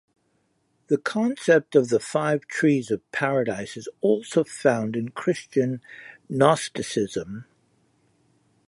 The concept of the Five Trees of Paradise is also found in Christian Gnosticism.